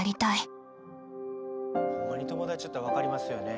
ホンマに友達やったら分かりますよね。